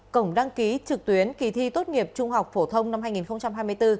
cổng đăng ký trực tuyến kỳ thi tốt nghiệp trung học phổ thông năm hai nghìn hai mươi bốn